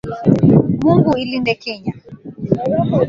Mungu ilinde Kenya.